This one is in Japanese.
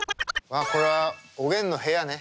これはおげんの部屋ね。